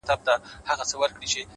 نن دي دواړي سترگي سرې په خاموشۍ كـي _